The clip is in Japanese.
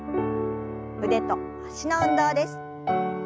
腕と脚の運動です。